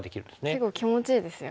結構気持ちいいですよね。